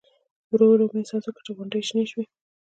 ورو ورو مې احساس وکړ چې غونډۍ شنې شوې.